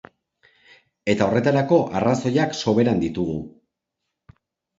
Eta horretarako arrazoiak soberan ditugu.